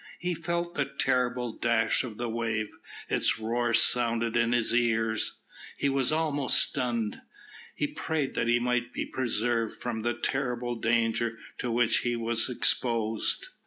He felt the terrific dash of the wave, its roar sounded in his ears he was almost stunned. He prayed that he might be preserved from the terrible danger to which he was exposed.